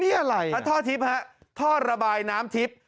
นี่อะไรฮะท่อทิพย์ฮะท่อระบายน้ำทิพย์